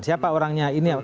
siapa orangnya ini